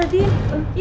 apasih tuh berarti